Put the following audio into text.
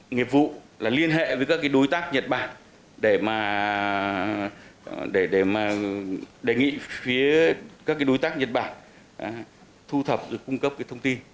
nghiệp vụ liên hệ với các đối tác nhật bản để đề nghị phía các đối tác nhật bản thu thập và cung cấp thông tin